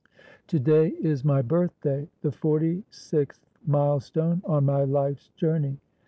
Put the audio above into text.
"To day is my birthday, the forty sixth milestone on my life's journey.